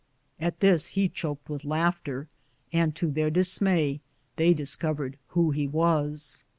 At this he choked with laughter, and to their dismay they discovered who he was.